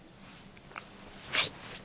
はい。